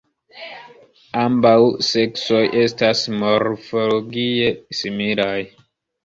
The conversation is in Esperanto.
Ambaŭ seksoj estas morfologie similaj.